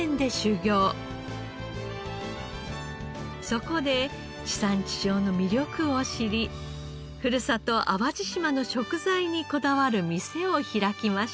そこで地産地消の魅力を知りふるさと淡路島の食材にこだわる店を開きました。